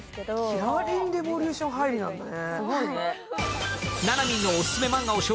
「きらりん☆レボリューション」入りなんだね。